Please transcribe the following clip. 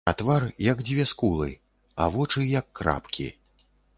А твар, як дзве скулы, а вочы, як крапкі.